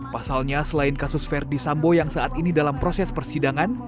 pasalnya selain kasus verdi sambo yang saat ini dalam proses persidangan